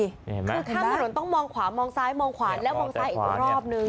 คือข้ามถนนต้องมองขวามองซ้ายมองขวาแล้วมองซ้ายอีกรอบนึง